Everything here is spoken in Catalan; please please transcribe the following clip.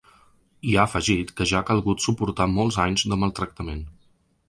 I ha afegit que ja ha calgut suportar molts anys de ‘maltractament’.